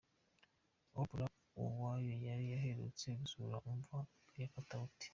Oprah Uwoya yari aherutse gusura imva ya Katauti.